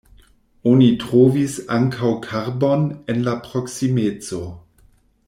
Oni trovis ankaŭ karbon en la proksimeco.